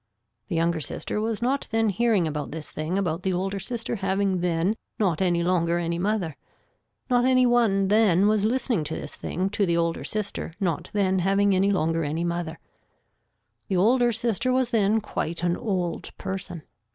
The younger sister was not then hearing about this thing about the older sister having then not any longer any mother. Not any one then was listening to this thing to the older sister not then having any longer any mother. The older sister was then quite an old person.